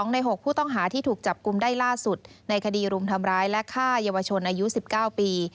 ใน๖ผู้ต้องหาที่ถูกจับกลุ่มได้ล่าสุดในคดีรุมทำร้ายและฆ่าเยาวชนอายุ๑๙ปี